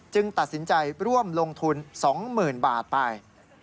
ตัดสินใจร่วมลงทุน๒๐๐๐บาทไป